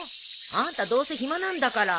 あんたどうせ暇なんだから。